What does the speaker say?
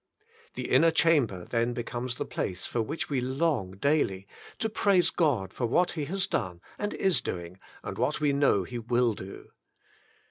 The inner chamber then becomes the place for which we long daily, to praise God for what He has done, and is doing, and what we know He will do.